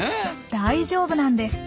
大丈夫なんです。